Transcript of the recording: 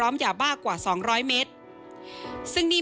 ไม่ได้ตั้งใจ